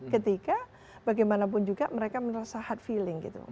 ketika bagaimanapun juga mereka merasa hard feeling gitu